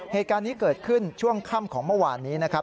เหตุการณ์นี้เกิดขึ้นช่วงค่ำของเมื่อวานนี้นะครับ